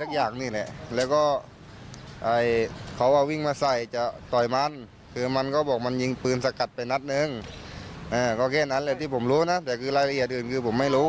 ก็แค่นั้นเลยที่ผมรู้นะแต่คือรายละเอียดอื่นผมไม่รู้